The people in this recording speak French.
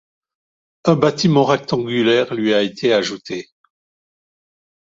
Un bâtiment rectangulaire lui a été ajouté.